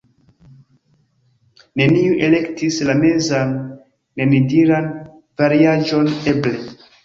neniu elektis la mezan, nenidiran variaĵon "eble".